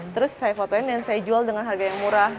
terus saya fotoin dan saya jual dengan harga yang murah